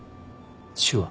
手話。